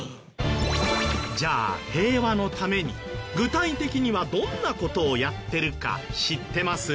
じゃあ平和のために具体的にはどんな事をやってるか知ってます？